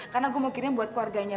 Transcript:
karena gue mau kirim buat keluarganya